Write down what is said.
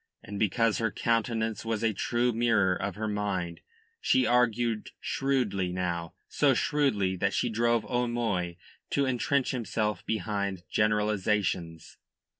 And because her countenance was a true mirror of her mind, she argued shrewdly now, so shrewdly that she drove O'Moy to entrench himself behind generalisations.